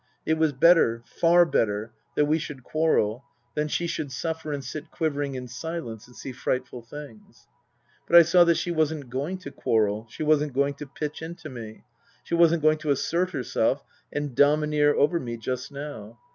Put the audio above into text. It was better, far better, that we should quarrel than she should suffer and sit quivering in silence and see frightful things. But I saw that she wasn't going to quarrel, she wasn't going to pitch into me ; she wasn't going to assert herself and domineer over me just now.